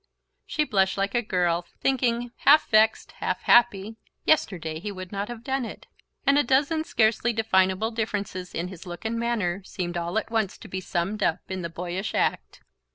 She blushed like a girl, thinking, half vexed, half happy: "Yesterday he would not have done it..." and a dozen scarcely definable differences in his look and manner seemed all at once to be summed up in the boyish act.